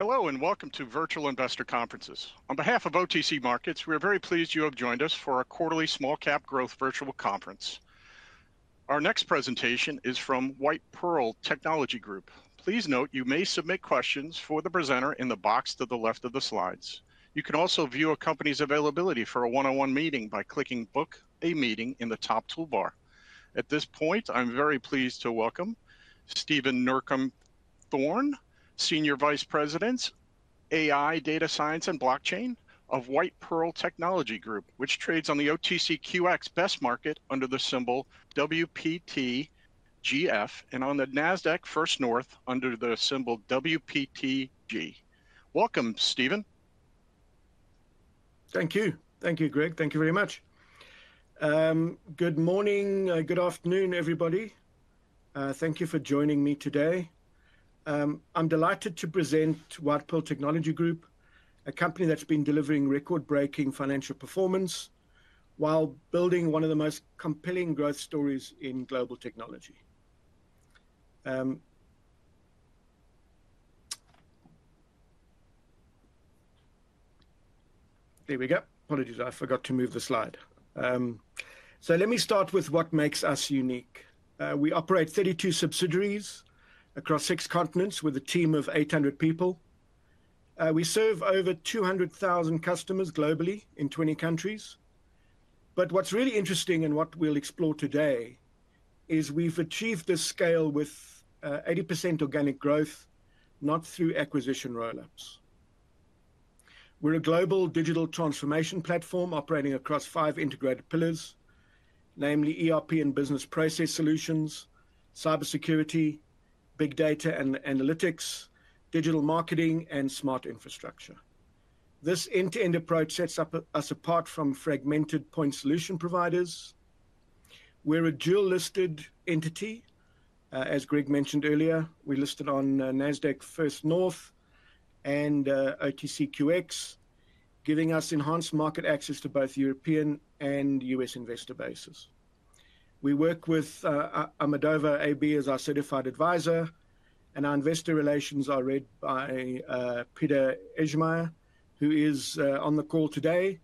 Hello, and welcome to Virtual Investor Conferences. On behalf of OTC Markets, we are very pleased you have joined us for our quarterly small cap growth virtual conference. Our next presentation is from White Pearl Technology Group. Please note you may submit questions for the presenter in the box to the left of the slides. You can also view a company's availability for a one-on-one meeting by clicking "Book a Meeting" in the top toolbar. At this point, I'm very pleased to welcome Stephen Nurcombe-Thorne, Senior Vice President, AI, Data Science, and Blockchain of White Pearl Technology Group, which trades on the OTCQX Best Market under the symbol WPTGF and on the Nasdaq First North under the symbol WPTG. Welcome, Stephen. Thank you. Thank you, Greg. Thank you very much. Good morning. Good afternoon, everybody. Thank you for joining me today. I'm delighted to present White Pearl Technology Group, a company that's been delivering record-breaking financial performance while building one of the most compelling growth stories in global technology. There we go. Apologies, I forgot to move the slide. Let me start with what makes us unique. We operate 32 subsidiaries across six continents with a team of 800 people. We serve over 200,000 customers globally in 20 countries. What's really interesting and what we'll explore today is we've achieved this scale with 80% organic growth, not through acquisition roll-ups. We're a global digital transformation platform operating across five integrated pillars, namely ERP and business process solutions, cybersecurity, big data and analytics, digital marketing, and smart infrastructure. This end-to-end approach sets us apart from fragmented point solution providers. We're a dual-listed entity. As Greg mentioned earlier, we listed on Nasdaq First North and OTCQX, giving us enhanced market access to both European and U.S. investor bases. We work with Amidova AB as our certified advisor, and our investor relations are read by Peter Ejemyr, who is on the call today.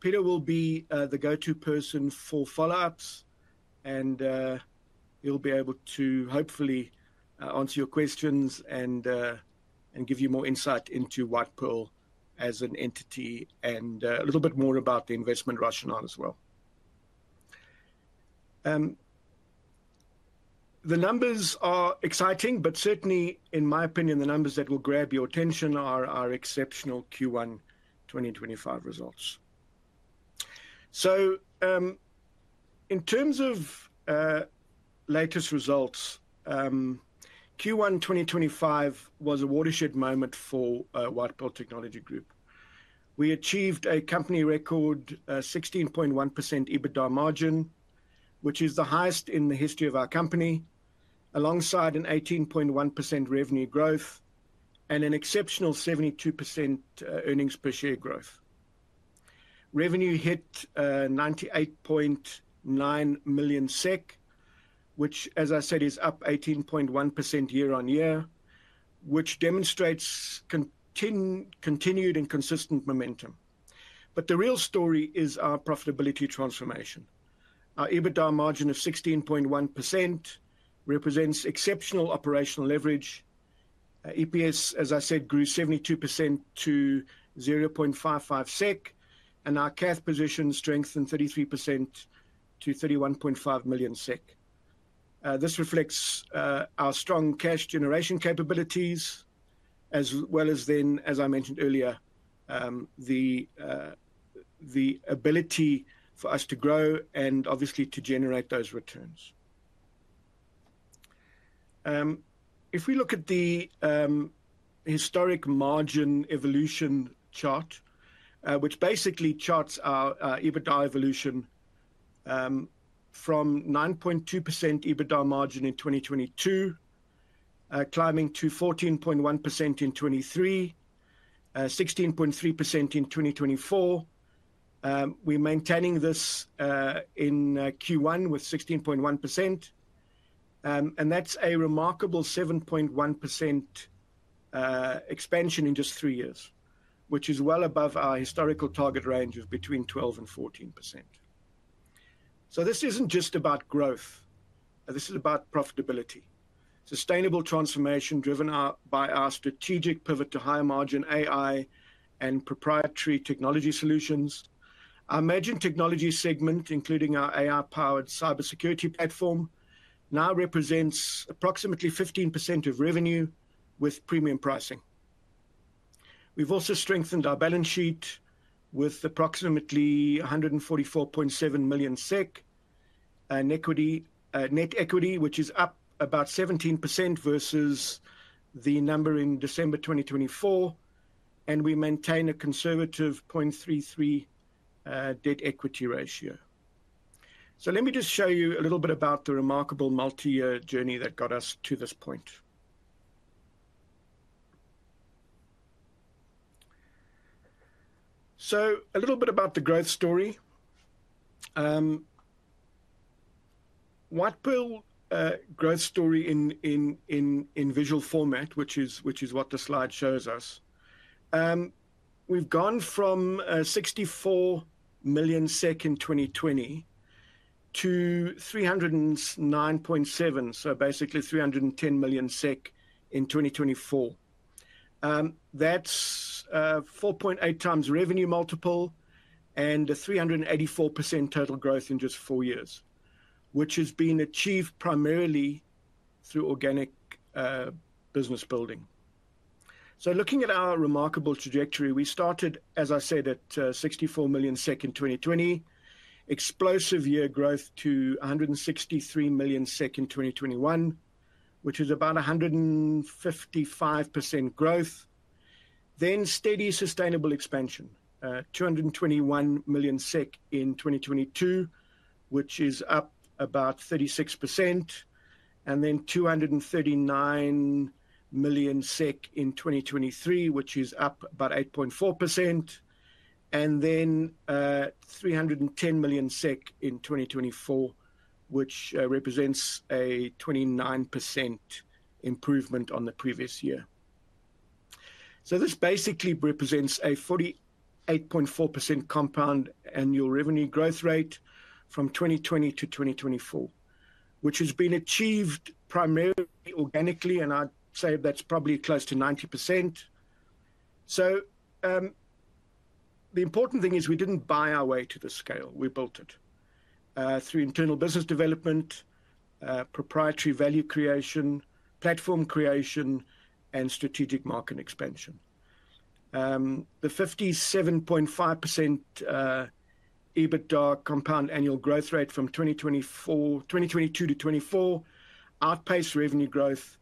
Peter will be the go-to person for follow-ups, and he'll be able to hopefully answer your questions and give you more insight into White Pearl as an entity and a little bit more about the investment rationale as well. The numbers are exciting, but certainly, in my opinion, the numbers that will grab your attention are our exceptional Q1 2025 results. In terms of latest results, Q1 2025 was a watershed moment for White Pearl Technology Group. We achieved a company record 16.1% EBITDA margin, which is the highest in the history of our company, alongside an 18.1% revenue growth and an exceptional 72% EPS growth. Revenue hit 98.9 million SEK, which, as I said, is up 18.1% year on year, which demonstrates continued and consistent momentum. The real story is our profitability transformation. Our EBITDA margin of 16.1% represents exceptional operational leverage. EPS, as I said, grew 72% to 0.55 SEK, and our cash position strengthened 33% to 31.5 million SEK. This reflects our strong cash generation capabilities, as well as then, as I mentioned earlier, the ability for us to grow and obviously to generate those returns. If we look at the historic margin evolution chart, which basically charts our EBITDA evolution from 9.2% EBITDA margin in 2022, climbing to 14.1% in 2023, 16.3% in 2024. We're maintaining this in Q1 with 16.1%. That's a remarkable 7.1% expansion in just three years, which is well above our historical target range of between 12-14%. This is not just about growth. This is about profitability, sustainable transformation driven by our strategic pivot to higher margin AI and proprietary technology solutions. Our emerging technology segment, including our AI-powered cybersecurity platform, now represents approximately 15% of revenue with premium pricing. We've also strengthened our balance sheet with approximately 144.7 million SEK net equity, which is up about 17% versus the number in December 2024. We maintain a conservative 0.33 debt equity ratio. Let me just show you a little bit about the remarkable multi-year journey that got us to this point. A little bit about the growth story. White Pearl growth story in visual format, which is what the slide shows us. We've gone from 64 million SEK in 2020 to 309.7 million, so basically 310 million SEK in 2024. That's a 4.8 times revenue multiple and a 384% total growth in just four years, which has been achieved primarily through organic business building. Looking at our remarkable trajectory, we started, as I said, at 64 million SEK in 2020, explosive year growth to 163 million SEK in 2021, which is about 155% growth. Then steady sustainable expansion, 221 million SEK in 2022, which is up about 36%. Then 239 million SEK in 2023, which is up about 8.4%. Then 310 million SEK in 2024, which represents a 29% improvement on the previous year. This basically represents a 48.4% compound annual revenue growth rate from 2020 to 2024, which has been achieved primarily organically. I'd say that's probably close to 90%. The important thing is we did not buy our way to the scale. We built it through internal business development, proprietary value creation, platform creation, and strategic market expansion. The 57.5% EBITDA compound annual growth rate from 2022 to 2024 outpaced revenue growth.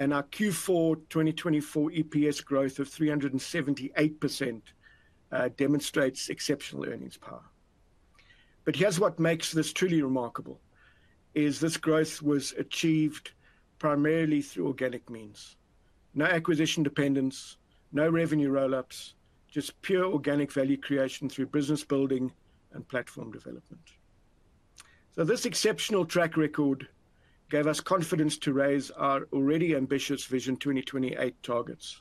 Our Q4 2024 EPS growth of 378% demonstrates exceptional earnings power. What makes this truly remarkable is this growth was achieved primarily through organic means. No acquisition dependence, no revenue roll-ups, just pure organic value creation through business building and platform development. This exceptional track record gave us confidence to raise our already ambitious Vision 2028 targets.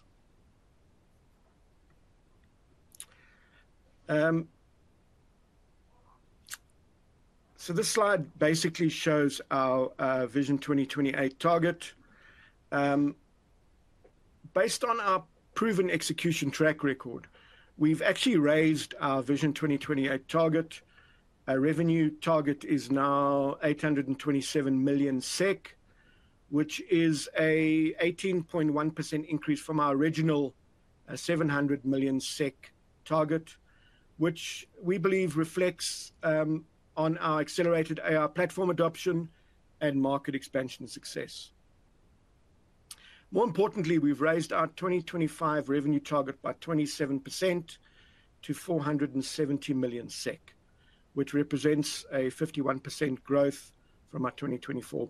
This slide basically shows our Vision 2028 target. Based on our proven execution track record, we have actually raised our Vision 2028 target. Our revenue target is now 827 million SEK, which is an 18.1% increase from our original 700 million SEK target, which we believe reflects on our accelerated AI Platform adoption and market expansion success. More importantly, we've raised our 2025 revenue target by 27% to 470 million SEK, which represents a 51% growth from our 2024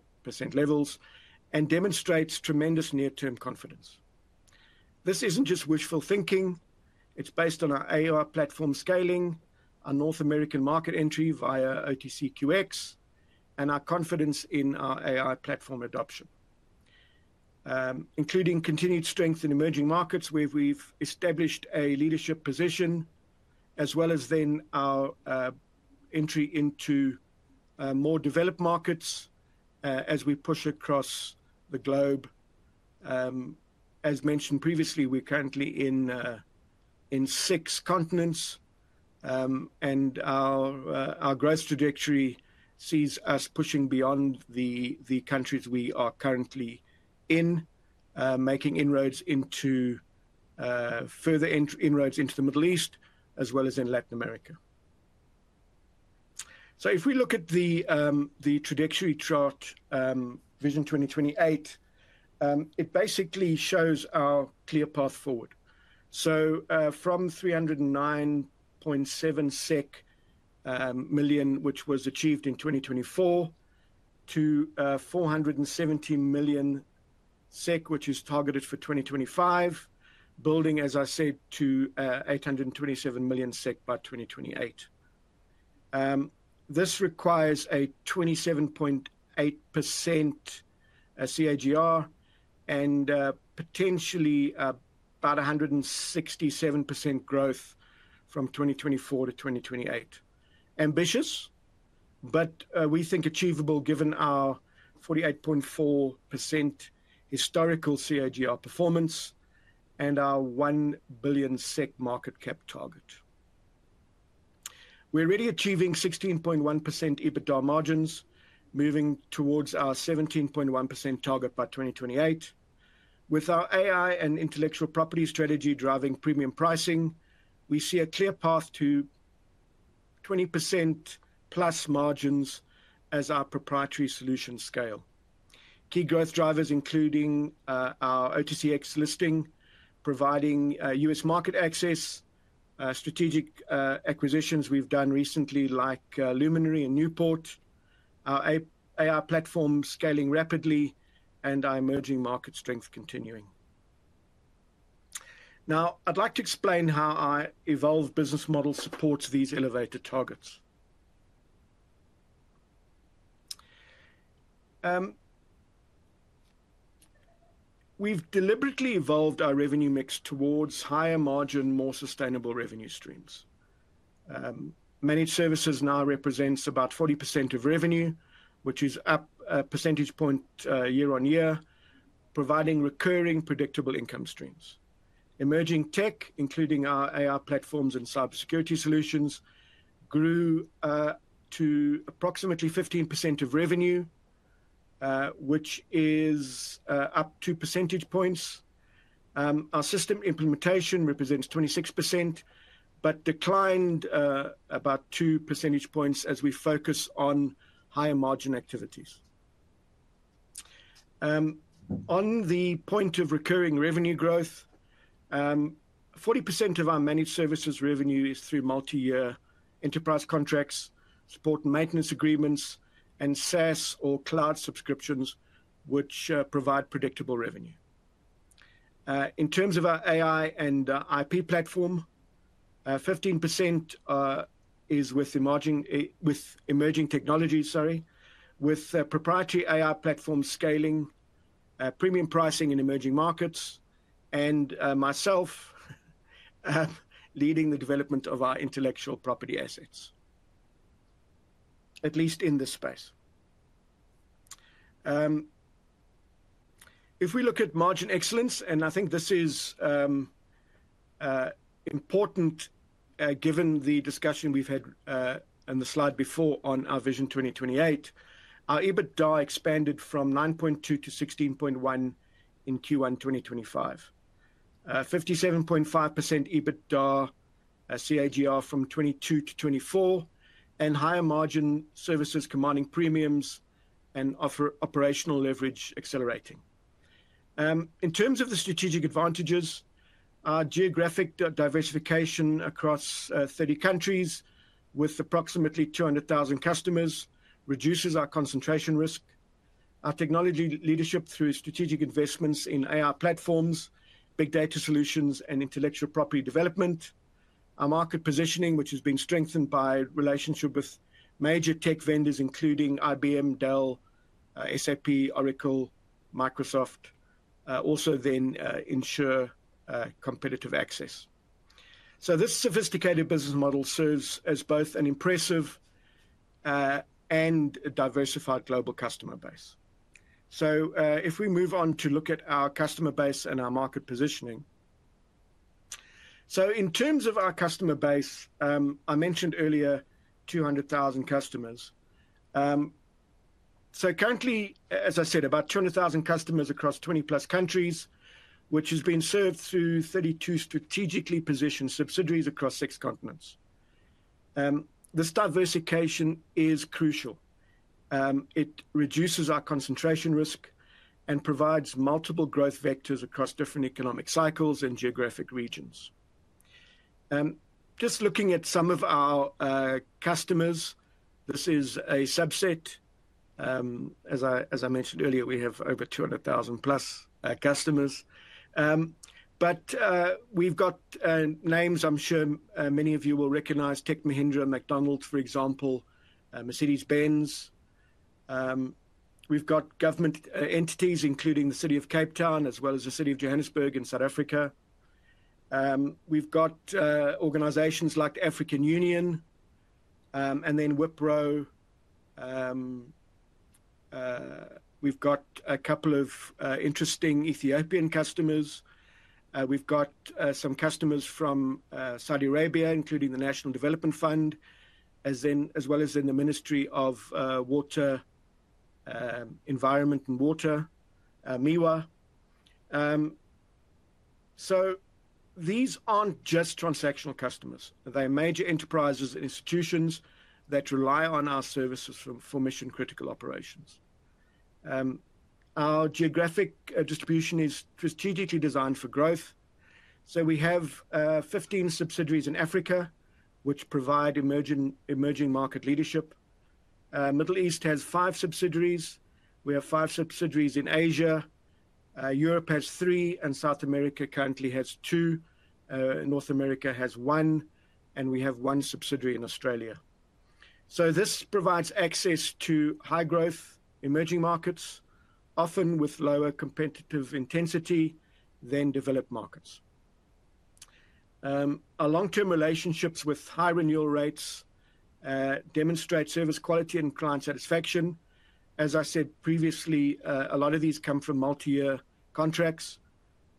levels and demonstrates tremendous near-term confidence. This isn't just wishful thinking. It's based on our AI Platform scaling, our North American market entry via OTCQX, and our confidence in our AI platform adoption, including continued strength in emerging markets where we've established a leadership position, as well as then our entry into more developed markets as we push across the globe. As mentioned previously, we're currently in six continents. Our growth trajectory sees us pushing beyond the countries we are currently in, making further inroads into the Middle East, as well as in Latin America. If we look at the trajectory chart, Vision 2028, it basically shows our clear path forward. From 309.7 million SEK, which was achieved in 2024, to 470 million SEK, which is targeted for 2025, building, as I said, to 827 million SEK by 2028. This requires a 27.8% CAGR and potentially about 167% growth from 2024 to 2028. Ambitious, but we think achievable given our 48.4% historical CAGR performance and our 1 billion SEK market cap target. We are already achieving 16.1% EBITDA margins, moving towards our 17.1% target by 2028. With our AI and intellectual property strategy driving premium pricing, we see a clear path to 20% plus margins as our proprietary solution scale. Key growth drivers, including our OTCQX listing, providing US market access, strategic acquisitions we've done recently like Luminary and Newport, our AI platform scaling rapidly, and our emerging market strength continuing. Now, I'd like to explain how our evolved business model supports these elevated targets. We've deliberately evolved our revenue mix towards higher margin, more sustainable revenue streams. Managed services now represents about 40% of revenue, which is up a percentage point year on year, providing recurring predictable income streams. Emerging tech, including our AI platforms and cybersecurity solutions, grew to approximately 15% of revenue, which is up two percentage points. Our system implementation represents 26%, but declined about two percentage points as we focus on higher margin activities. On the point of recurring revenue growth, 40% of our managed services revenue is through multi-year enterprise contracts, support and maintenance agreements, and SaaS or cloud subscriptions, which provide predictable revenue. In terms of our AI and IP platform, 15% is with emerging technologies, sorry, with proprietary AI platform scaling, premium pricing in emerging markets, and myself leading the development of our intellectual property assets, at least in this space. If we look at margin excellence, and I think this is important given the discussion we've had on the slide before on our Vision 2028, our EBITDA expanded from 9.2 million to 16.1 million in Q1 2025, 57.5% EBITDA CAGR from 2022 to 2024, and higher margin services commanding premiums and operational leverage accelerating. In terms of the strategic advantages, our geographic diversification across 30 countries with approximately 200,000 customers reduces our concentration risk. Our technology leadership through strategic investments in AI platforms, big data solutions, and intellectual property development. Our market positioning, which has been strengthened by relationship with major tech vendors, including IBM, Dell, SAP, Oracle, Microsoft, also then ensure competitive access. This sophisticated business model serves as both an impressive and diversified global customer base. If we move on to look at our customer base and our market positioning. In terms of our customer base, I mentioned earlier 200,000 customers. Currently, as I said, about 200,000 customers across 20 plus countries, which has been served through 32 strategically positioned subsidiaries across six continents. This diversification is crucial. It reduces our concentration risk and provides multiple growth vectors across different economic cycles and geographic regions. Just looking at some of our customers, this is a subset. As I mentioned earlier, we have over 200,000 plus customers. We've got names I'm sure many of you will recognize: Tech Mahindra, McDonald's, for example, Mercedes-Benz. We've got government entities, including the City of Cape Town, as well as the City of Johannesburg in South Africa. We've got organizations like the African Union and then Wipro. We've got a couple of interesting Ethiopian customers. We've got some customers from Saudi Arabia, including the National Development Fund, as well as in the Ministry of Water, Environment and Water, MIWA. These aren't just transactional customers. They are major enterprises and institutions that rely on our services for mission-critical operations. Our geographic distribution is strategically designed for growth. We have 15 subsidiaries in Africa, which provide emerging market leadership. Middle East has five subsidiaries. We have five subsidiaries in Asia. Europe has three, and South America currently has two. North America has one, and we have one subsidiary in Australia. This provides access to high-growth emerging markets, often with lower competitive intensity than developed markets. Our long-term relationships with high renewal rates demonstrate service quality and client satisfaction. As I said previously, a lot of these come from multi-year contracts.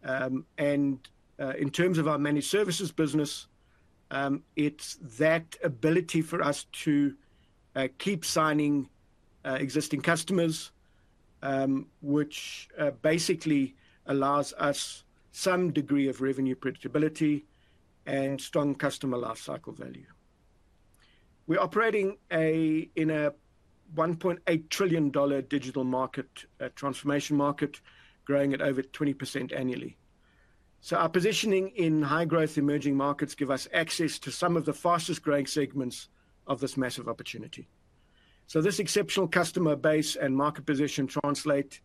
In terms of our managed services business, it's that ability for us to keep signing existing customers, which basically allows us some degree of revenue predictability and strong customer lifecycle value. We are operating in a $1.8 trillion digital market transformation market, growing at over 20% annually. Our positioning in high-growth emerging markets gives us access to some of the fastest-growing segments of this massive opportunity. This exceptional customer base and market position translate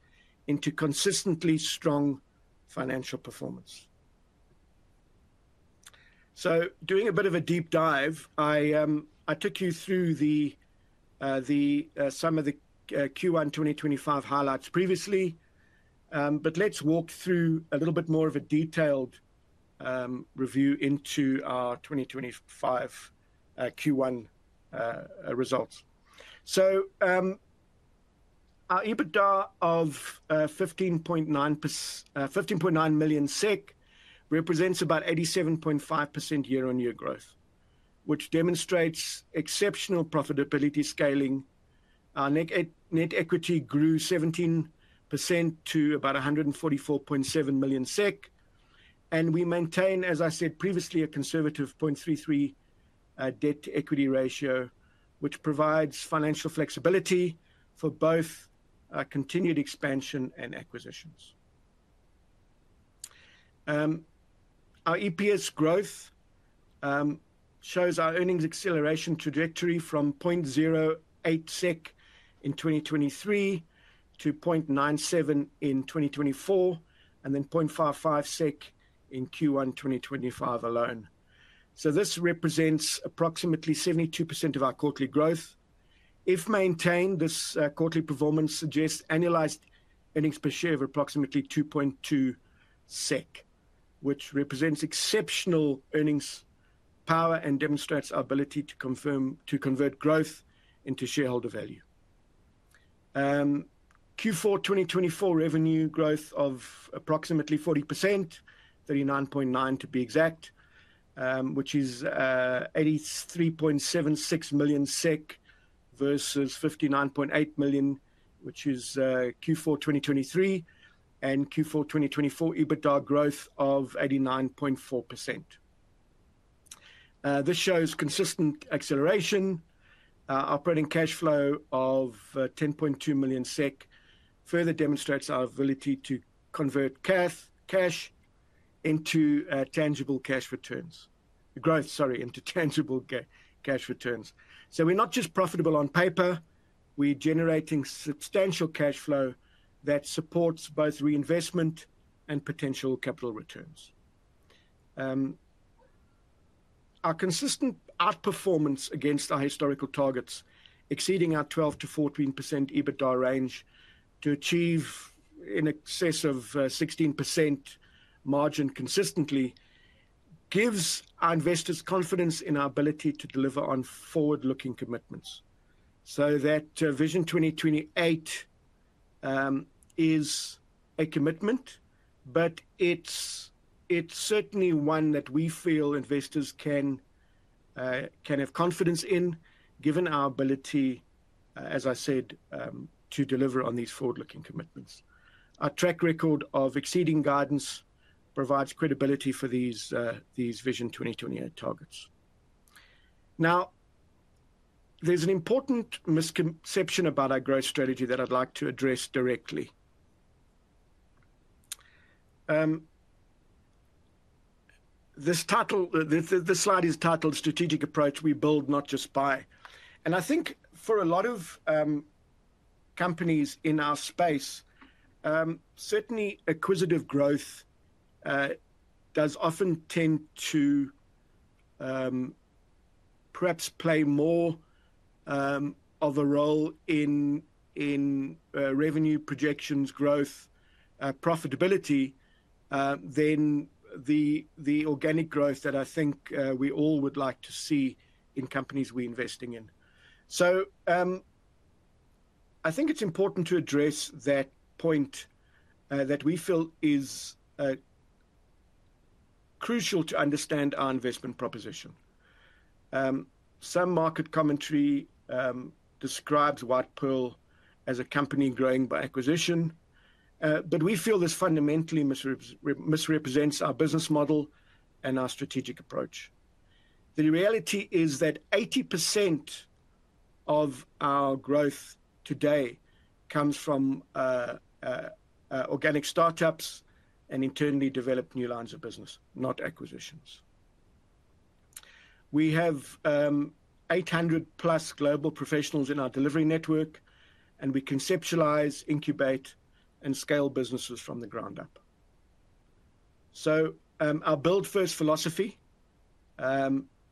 into consistently strong financial performance. Doing a bit of a deep dive, I took you through some of the Q1 2025 highlights previously. Let's walk through a little bit more of a detailed review into our 2025 Q1 results. Our EBITDA of 15.9 million SEK represents about 87.5% year-on-year growth, which demonstrates exceptional profitability scaling. Our net equity grew 17% to about 144.7 million SEK. We maintain, as I said previously, a conservative 0.33 debt-to-equity ratio, which provides financial flexibility for both continued expansion and acquisitions. Our EPS growth shows our earnings acceleration trajectory from 0.08 SEK in 2023 to 0.97 in 2024, and then 0.55 SEK in Q1 2025 alone. This represents approximately 72% of our quarterly growth. If maintained, this quarterly performance suggests annualized earnings per share of approximately 2.2 SEK, which represents exceptional earnings power and demonstrates our ability to convert growth into shareholder value. Q4 2024 revenue growth of approximately 40%, 39.9% to be exact, which is 83.76 million SEK versus 59.8 million, which is Q4 2023, and Q4 2024 EBITDA growth of 89.4%. This shows consistent acceleration. Operating cash flow of 10.2 million SEK further demonstrates our ability to convert growth into tangible cash returns. We are not just profitable on paper. We are generating substantial cash flow that supports both reinvestment and potential capital returns. Our consistent outperformance against our historical targets, exceeding our 12-14% EBITDA range to achieve in excess of 16% margin consistently, gives our investors confidence in our ability to deliver on forward-looking commitments. That Vision 2028 is a commitment, but it is certainly one that we feel investors can have confidence in, given our ability, as I said, to deliver on these forward-looking commitments. Our track record of exceeding guidance provides credibility for these Vision 2028 targets. Now, there is an important misconception about our growth strategy that I would like to address directly. This slide is titled "Strategic Approach We Build Not Just Buy." I think for a lot of companies in our space, certainly acquisitive growth does often tend to perhaps play more of a role in revenue projections, growth, profitability than the organic growth that I think we all would like to see in companies we are investing in. I think it is important to address that point that we feel is crucial to understand our investment proposition. Some market commentary describes White Pearl as a company growing by acquisition, but we feel this fundamentally misrepresents our business model and our strategic approach. The reality is that 80% of our growth today comes from organic startups and internally developed new lines of business, not acquisitions. We have 800-plus global professionals in our delivery network, and we conceptualize, incubate, and scale businesses from the ground up. Our Build First philosophy,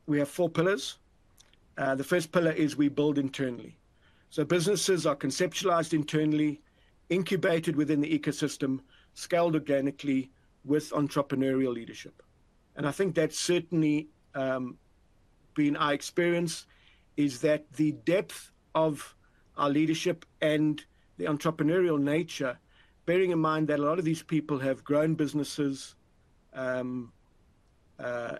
we have four pillars. The first pillar is we build internally. Businesses are conceptualized internally, incubated within the ecosystem, scaled organically with entrepreneurial leadership. I think that's certainly, being our experience, is that the depth of our leadership and the entrepreneurial nature, bearing in mind that a lot of these people have grown businesses and have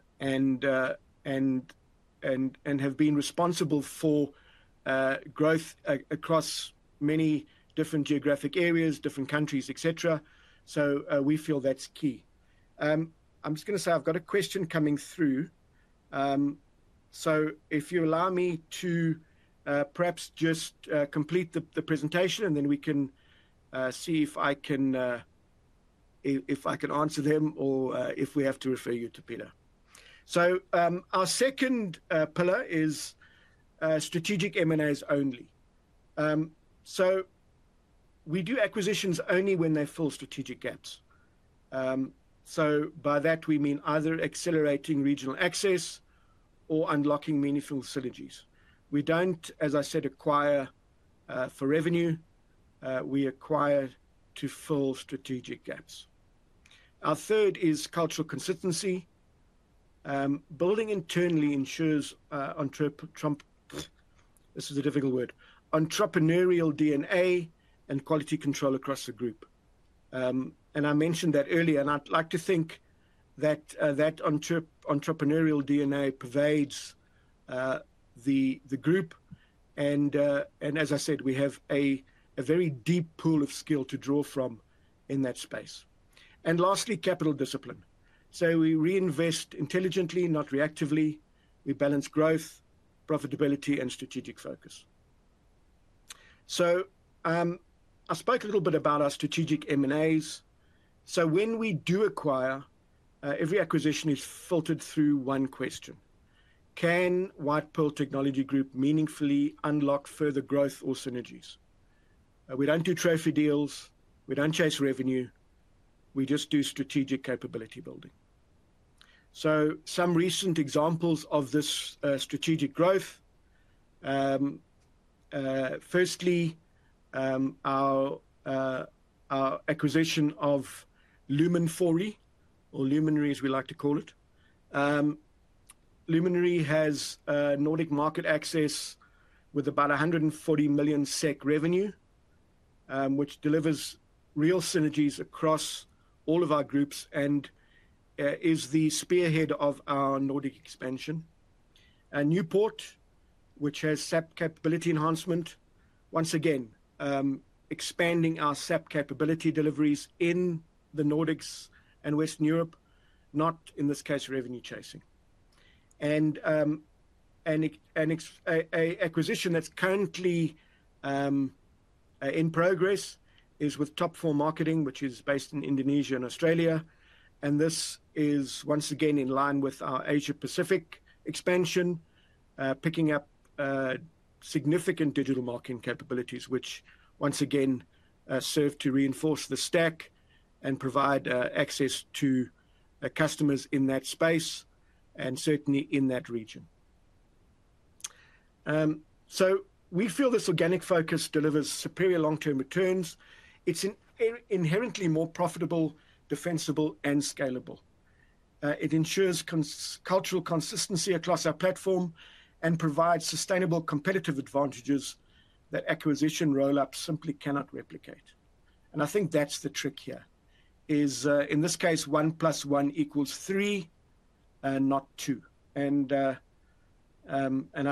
been responsible for growth across many different geographic areas, different countries, et cetera. We feel that's key. I'm just going to say I've got a question coming through. If you allow me to perhaps just complete the presentation, then we can see if I can answer them or if we have to refer you to Peter. Our second pillar is strategic M&As only. We do acquisitions only when they fill strategic gaps. By that, we mean either accelerating regional access or unlocking meaningful synergies. We do not, as I said, acquire for revenue. We acquire to fill strategic gaps. Our third is cultural consistency. Building internally ensures this is a difficult word, entrepreneurial DNA and quality control across the group. I mentioned that earlier, and I would like to think that entrepreneurial DNA pervades the group. As I said, we have a very deep pool of skill to draw from in that space. Lastly, capital discipline. We reinvest intelligently, not reactively. We balance growth, profitability, and strategic focus. I spoke a little bit about our strategic M&As. When we do acquire, every acquisition is filtered through one question. Can White Pearl Technology Group meaningfully unlock further growth or synergies? We do not do trophy deals. We do not chase revenue. We just do strategic capability building. Some recent examples of this strategic growth. Firstly, our acquisition of Luminary, as we like to call it. Luminary has Nordic market access with about 140 million SEK revenue, which delivers real synergies across all of our groups and is the spearhead of our Nordic expansion. Newport, which has SEP capability enhancement, once again, expanding our SEP capability deliveries in the Nordics and Western Europe, not in this case revenue chasing. An acquisition that is currently in progress is with Top 4 Marketing, which is based in Indonesia and Australia. This is once again in line with our Asia-Pacific expansion, picking up significant digital marketing capabilities, which once again serve to reinforce the stack and provide access to customers in that space and certainly in that region. We feel this organic focus delivers superior long-term returns. It is inherently more profitable, defensible, and scalable. It ensures cultural consistency across our platform and provides sustainable competitive advantages that acquisition roll-ups simply cannot replicate. I think that's the trick here, is in this case, one plus one equals three, not two. I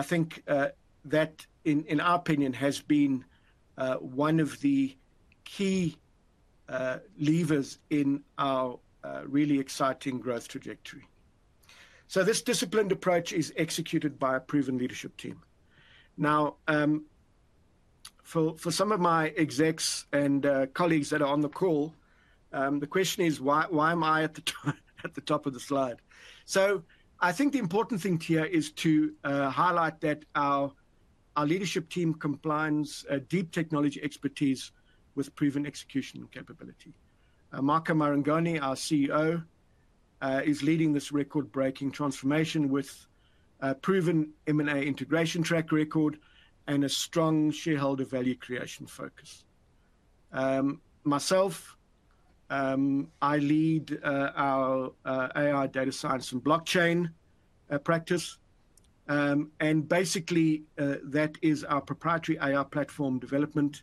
think that, in our opinion, has been one of the key levers in our really exciting growth trajectory. This disciplined approach is executed by a proven leadership team. Now, for some of my execs and colleagues that are on the call, the question is, why am I at the top of the slide? I think the important thing here is to highlight that our leadership team combines deep technology expertise with proven execution capability. Marco Marangoni, our CEO, is leading this record-breaking transformation with a proven M&A integration track record and a strong shareholder value creation focus. Myself, I lead our AI data science and blockchain practice. Basically, that is our proprietary AI Platform development,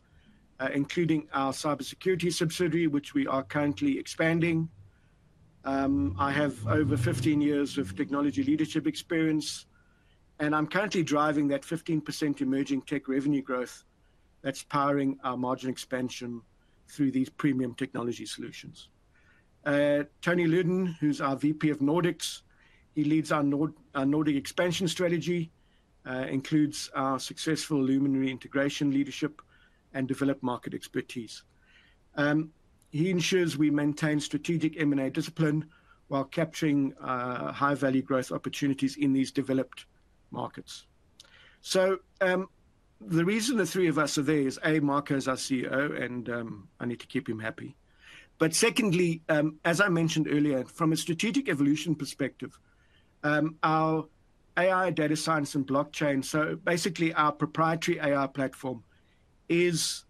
including our cybersecurity subsidiary, which we are currently expanding. I have over 15 years of technology leadership experience, and I'm currently driving that 15% emerging tech revenue growth that's powering our margin expansion through these premium technology solutions. Tony Lydon, who's our VP of Nordics, leads our Nordic expansion strategy, includes our successful Luminary integration leadership and developed market expertise. He ensures we maintain strategic M&A discipline while capturing high-value growth opportunities in these developed markets. The reason the three of us are there is, A, Marco is our CEO, and I need to keep him happy. But secondly, as I mentioned earlier, from a strategic evolution perspective, our AI, data science, and blockchain, so basically our proprietary AI Platform, is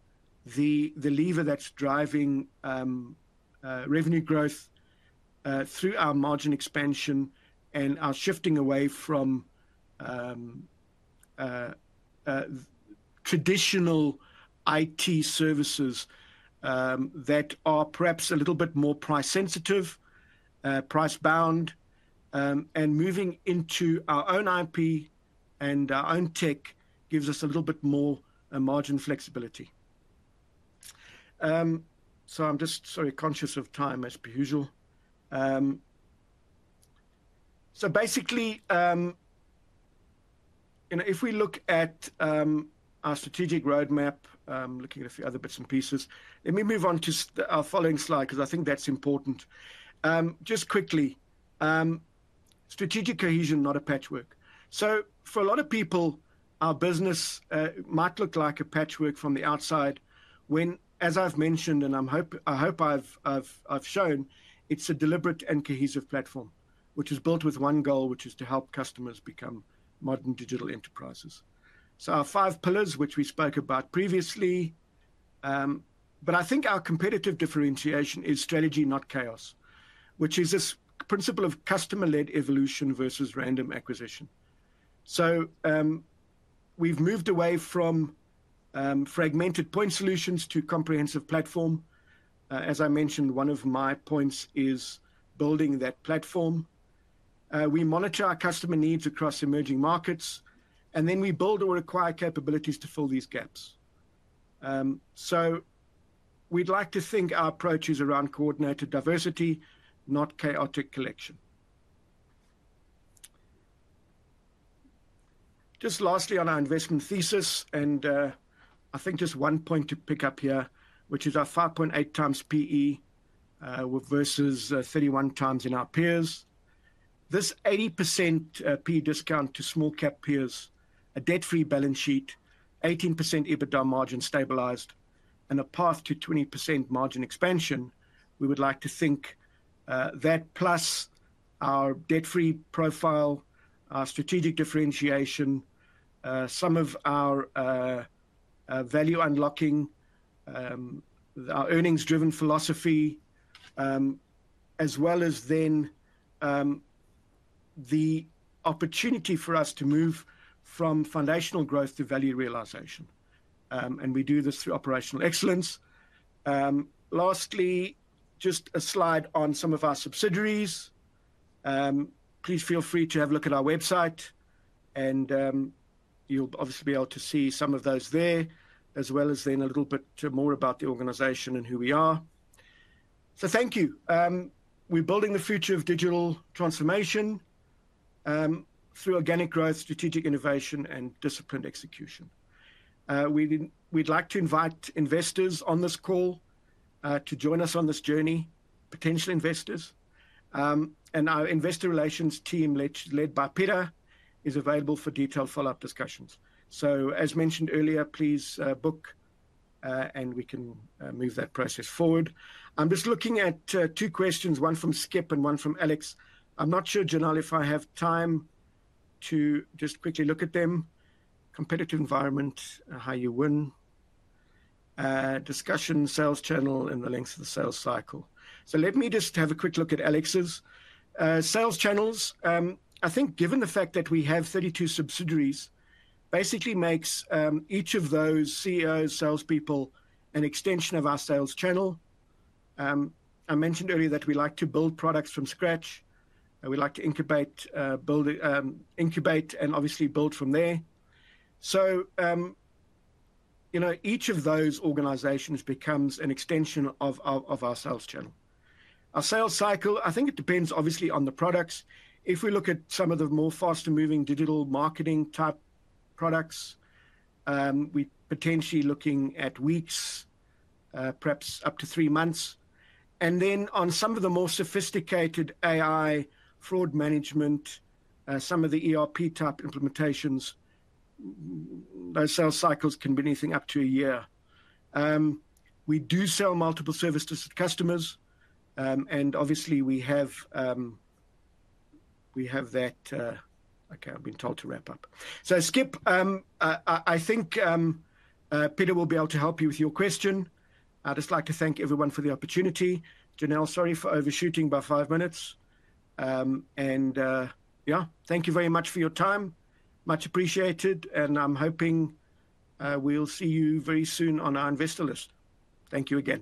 the lever that's driving revenue growth through our margin expansion and our shifting away from traditional IT services that are perhaps a little bit more price-sensitive, price-bound, and moving into our own IP and our own tech gives us a little bit more margin flexibility. I'm just, sorry, conscious of time, as per usual. Basically, if we look at our strategic roadmap, looking at a few other bits and pieces, let me move on to our following slide because I think that's important. Just quickly, strategic cohesion, not a patchwork. For a lot of people, our business might look like a patchwork from the outside when, as I've mentioned, and I hope I've shown, it's a deliberate and cohesive platform, which is built with one goal, which is to help customers become modern digital enterprises. Our five pillars, which we spoke about previously, but I think our competitive differentiation is strategy, not chaos, which is this principle of customer-led evolution versus random acquisition. We've moved away from fragmented point solutions to comprehensive platform. As I mentioned, one of my points is building that platform. We monitor our customer needs across emerging markets, and then we build or acquire capabilities to fill these gaps. We'd like to think our approach is around coordinated diversity, not chaotic collection. Just lastly on our investment thesis, and I think just one point to pick up here, which is our 5.8 times PE versus 31 times in our peers. This 80% PE discount to small-cap peers, a debt-free balance sheet, 18% EBITDA margin stabilized, and a path to 20% margin expansion, we would like to think that plus our debt-free profile, our strategic differentiation, some of our value unlocking, our earnings-driven philosophy, as well as then the opportunity for us to move from foundational growth to value realization. We do this through operational excellence. Lastly, just a slide on some of our subsidiaries. Please feel free to have a look at our website, and you'll obviously be able to see some of those there, as well as then a little bit more about the organization and who we are. Thank you. We're building the future of digital transformation through organic growth, strategic innovation, and disciplined execution. We'd like to invite investors on this call to join us on this journey, potential investors. Our investor relations team led by Peter is available for detailed follow-up discussions. As mentioned earlier, please book, and we can move that process forward. I'm just looking at two questions, one from Skip and one from Alex. I'm not sure, Janelle, if I have time to just quickly look at them. Competitive environment, how you win, discussion, sales channel, and the length of the sales cycle. Let me just have a quick look at Alex's. Sales channels, I think given the fact that we have 32 subsidiaries, basically makes each of those CEOs, salespeople, an extension of our sales channel. I mentioned earlier that we like to build products from scratch. We like to incubate and obviously build from there. Each of those organizations becomes an extension of our sales channel. Our sales cycle, I think it depends obviously on the products. If we look at some of the more faster-moving digital marketing type products, we are potentially looking at weeks, perhaps up to three months. On some of the more sophisticated AI fraud management, some of the ERP type implementations, those sales cycles can be anything up to a year. We do sell multiple services to customers. Obviously, we have that okay, I have been told to wrap up. Skip, I think Peter will be able to help you with your question. I would just like to thank everyone for the opportunity. Janelle, sorry for overshooting by five minutes. Thank you very much for your time. Much appreciated. I'm hoping we'll see you very soon on our investor list. Thank you again.